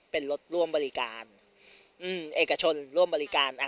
เป็นรถร่วมบริการเอกชนร่วมบริการ